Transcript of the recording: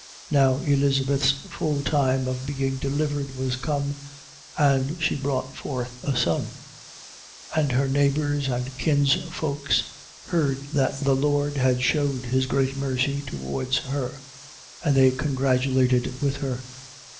1:57. Now Elizabeth's full time of being delivered was come: and she brought forth a son. 1:58. And her neighbors and kinsfolks heard that the Lord had shewed his great mercy towards her: and they congratulated with her.